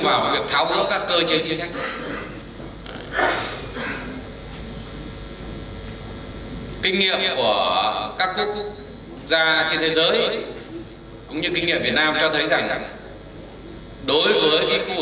đối với khu hợp tác xã chúng ta không có cơ chế chính sách chính phủ bổ trợ cho cơ chế